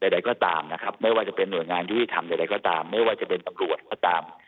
ใดก็ตามนะครับไม่ว่าจะเป็นหน่วยงานยุติธรรมใดก็ตามไม่ว่าจะเป็นตำรวจก็ตาม